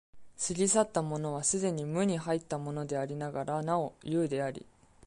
過ぎ去ったものは既に無に入ったものでありながらなお有であり、